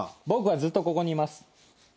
僕はずっとここにいます。